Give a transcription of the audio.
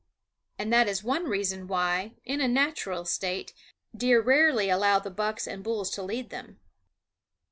And that is one reason why, in a natural state, deer rarely allow the bucks and bulls to lead them.